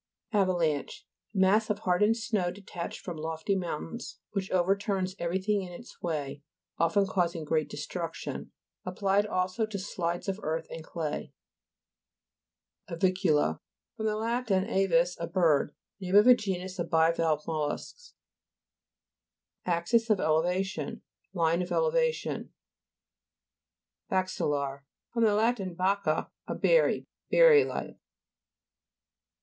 AVALA'NCHE Mass of hardened snow, detached from lofty moun tains, which overturns everything in its way, often causing great de struction. Applied also to slides of earth and clay. AVI'CULA fr. lat. avis, a bird. Name of a genus of bivalve mol lusks. (Figs. 63, p. 52.) A'xis OF ELEVA'TION Line of ele vation. BAC'CILAR fr. lat. bacca, a berry. Berry like.